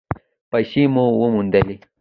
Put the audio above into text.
پیسې مو وموندلې؟